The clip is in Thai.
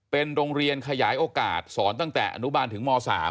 เป็นโรงเรียนขยายโอกาสสอนตั้งแต่อนุบาลถึงม๓